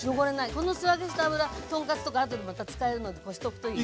この素揚げした油豚カツとかあとでまた使えるのでこしとくといい。